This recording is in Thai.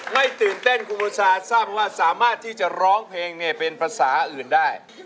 ไม่ตื่นเต้นครูบูชาสร้างว่าสามารถที่จะร้องเพลงเป็นภาษาอื่นได้